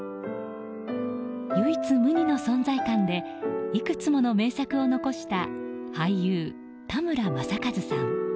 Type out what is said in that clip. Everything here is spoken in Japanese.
唯一無二の存在感でいくつもの名作を残した俳優・田村正和さん。